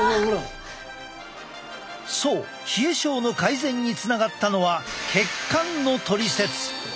そう冷え症の改善につながったのは血管のトリセツ。